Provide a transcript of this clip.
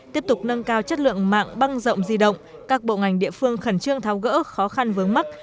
tiếp tục nâng cao chất lượng mạng băng rộng di động các bộ ngành địa phương khẩn trương tháo gỡ khó khăn vướng mắt